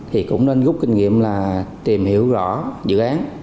thì cũng nên rút kinh nghiệm là tìm hiểu rõ dự án